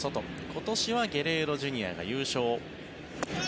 今年はゲレーロＪｒ．が優勝。